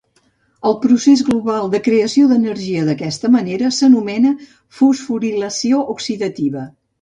El procés global de creació d'energia d'aquesta manera s'anomena fosforilació oxidativa.